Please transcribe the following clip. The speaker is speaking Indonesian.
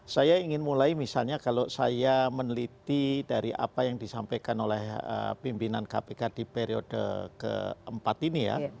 saya ingin mulai misalnya kalau saya meneliti dari apa yang disampaikan oleh pimpinan kpk di periode keempat ini ya